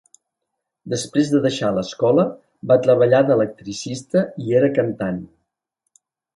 Després de deixar l'escola, va treballar d'electricista i era cantant.